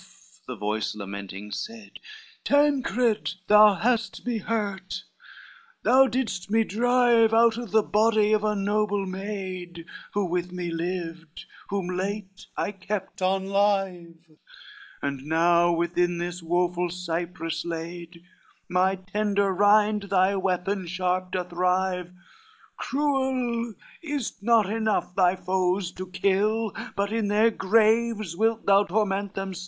the voice lamenting said, "Tancred, thou hast me hurt, thou didst me drive Out of the body of a noble maid Who with me lived, whom late I kept on live, And now within this woful cypress laid, My tender rind thy weapon sharp doth rive, Cruel, is't not enough thy foes to kill, But in their graves wilt thou torment them still?